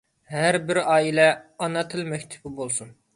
ھەر بىر ئائىلە ئانا تىل مەكتىپى بولسۇن!